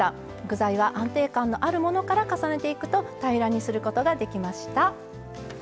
具材は安定感のあるものから重ねていくと平らにすることができました。